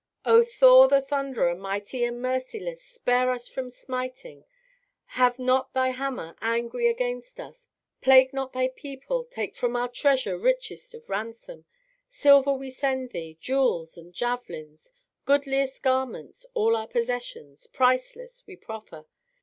O Thor, the Thunderer Mighty and merciless, Spare us from smiting! Heave not thy hammer, Angry, aginst us; Plague not thy people. Take from our treasure Richest Of ransom. Silver we send thee, Jewels and javelins, Goodliest garments, All our possessions, Priceless, we proffer.